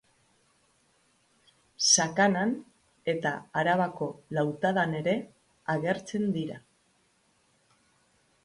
Sakanan eta Arabako Lautadan ere agertzen dira.